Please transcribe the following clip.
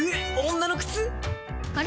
女の靴⁉あれ？